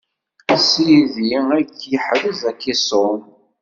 Sidi ad k-iḥrez ad k-iṣun.